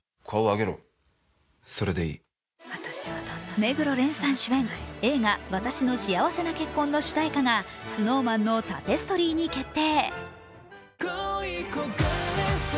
目黒蓮さん主演映画「わたしの幸せな結婚」の主題歌がＳｎｏｗＭａｎの「タペストリー」に決定。